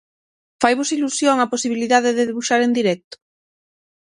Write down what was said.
Faivos ilusión a posibilidade de debuxar en directo?